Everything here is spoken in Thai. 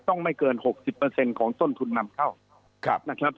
ต้องไม่เกินหกสิบเปอร์เซ็นต์ของต้นทุนนำเข้าครับนะครับ